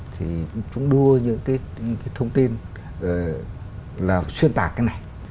thì chúng đưa những cái thông tin là xuyên tạc cái này